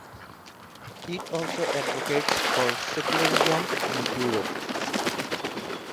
It also advocates for secularism in Europe.